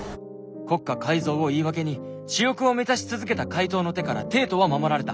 国家改造を言い訳に私欲を満たし続けた怪盗の手から帝都は守られた。